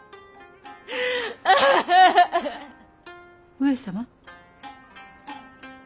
上様？